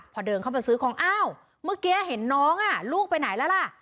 พอเดินเข้าไปซื้อของอ้าวเมื่อกี้เห็นน้องลูกไปไหนแล้วล่ะ